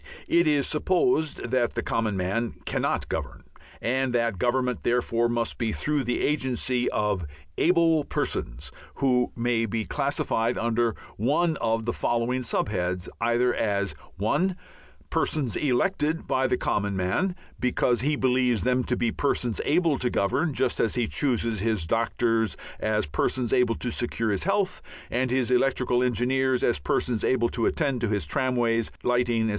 It is supposed that the common man cannot govern, and that government therefore must be through the agency of Able Persons who may be classified under one of the following sub heads, either as (1) persons elected by the common man because he believes them to be persons able to govern just as he chooses his doctors as persons able to secure health, and his electrical engineers as persons able to attend to his tramways, lighting, etc.